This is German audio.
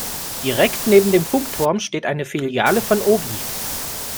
Direkt neben dem Funkturm steht eine Filiale von Obi.